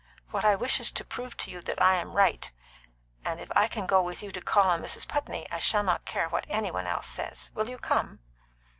What I wish is to prove to you that I am right; and if I can go with you to call on Mrs. Putney, I shall not care what any one else says. Will you come?"